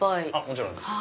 もちろんです。